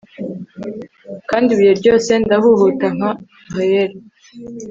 kandi ibuye ryose ndahuhuta nka reel